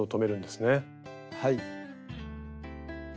はい。